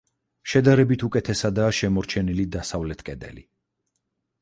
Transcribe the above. შედარებით უკეთესადაა შემორჩენილი დასავლეთ კედელი.